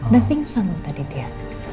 dan pingsan tadi dia